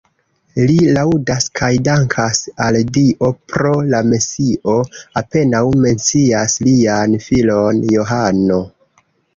Li laŭdas kaj dankas al Dio pro la Mesio, apenaŭ mencias lian filon Johano.